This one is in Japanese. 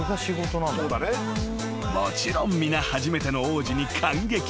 ［もちろん皆初めての王子に感激］